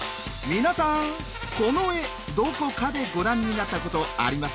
皆さんこの絵どこかでご覧になったことありませんか？